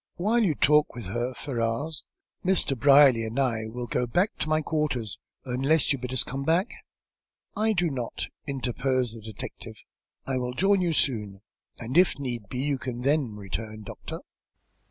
While you talk with her, Ferrars, Mr. Brierly and I will go back to my quarters, unless you bid us come back." "I do not," interposed the detective. "I will join you soon, and if need be, you can then return, doctor."